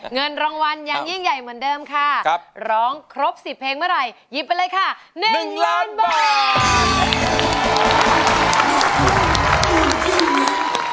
เงินรางวัลยังยิ่งใหญ่เหมือนเดิมค่ะร้องครบ๑๐เพลงเมื่อไหร่หยิบไปเลยค่ะ๑ล้านบาท